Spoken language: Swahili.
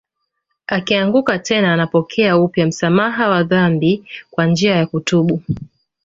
Akianguka tena anapokea upya msamaha wa dhambi kwa njia ya kutubu